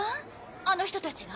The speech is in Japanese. あの人たちが？